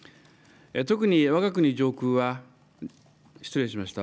特にわが国上空は、失礼しました。